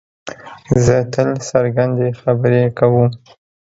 زه تل څرګندې خبرې کوم.